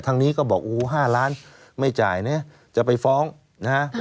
ทางนี้ก็บอก๕ล้านไม่จ่ายเนี่ยจะไปฟ้องนะฮะ